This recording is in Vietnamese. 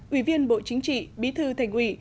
ủy viên bộ chính trị bí thư thành ủy